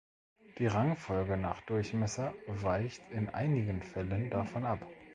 Die Rangfolge nach Durchmesser weicht in einigen Fällen davon ab.